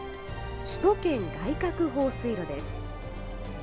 首都圏外郭放水路です。